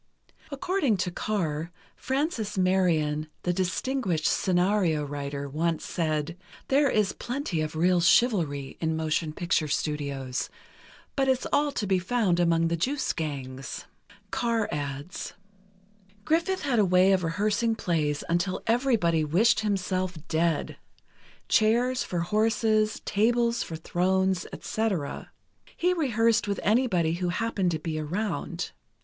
According to Carr, Frances Marion, the distinguished scenario writer, once said: "There is plenty of real chivalry in motion picture studios, but it's all to be found among the juice gangs." Carr adds: Griffith had a way of rehearsing plays until everybody wished himself dead—chairs for horses—tables for thrones, etc. He rehearsed with anybody who happened to be around.